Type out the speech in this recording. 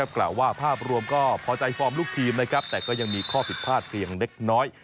กล่าวว่าภาพรวมก็พอใจฟอร์มลูกทีมนะครับแต่ก็ยังมีข้อผิดพลาดเพียงเล็กน้อย